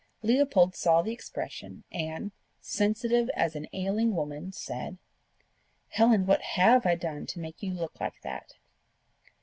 Leopold saw the expression, and, sensitive as an ailing woman, said, "Helen, what HAVE I done to make you look like that?"